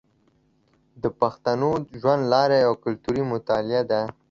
د پښتنو د ژوند لاره یوه کلتوري مطالعه ده.